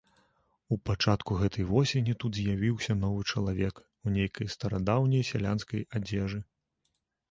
У пачатку гэтай восені тут з'явіўся новы чалавек, у нейкай старадаўняй сялянскай адзежы.